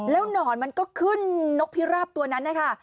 หนอนมันก็ขึ้นนกพิราบตัวนั้นนะคะ